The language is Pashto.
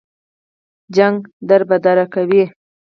جګړه دربدره کوي